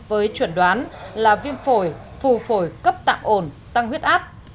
với chuẩn đoán là viêm phổi phù phổi cấp tạm ổn tăng huyết áp